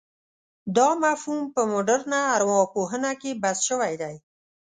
دا مفهوم په مډرنه ارواپوهنه کې بحث شوی دی.